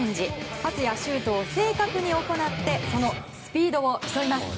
パス、シュートを正確に行ってそのスピードを競います。